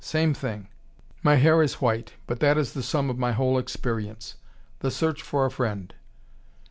Same thing. My hair is white but that is the sum of my whole experience. The search for a friend."